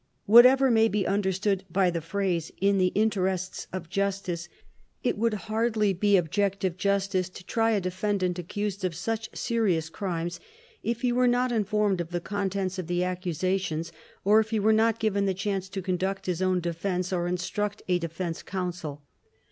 Whatever may be understood by the phrase "in the interests of justice" it would hardly be objective justice to try a defendant accused of such serious crimes, if he were not informed of the contents of the accusations or if he were not given the chance to conduct his own defense or instruct a defense counsel.